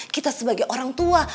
kita sebagai orang tua